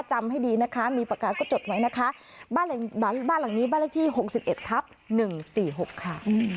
จำให้ดีนะคะมีปากกาก็จดไว้นะคะบ้านหลังนี้บ้านเลขที่๖๑ทับ๑๔๖ค่ะ